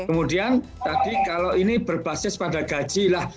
kemudian tadi kalau ini berbasis pada gaji lah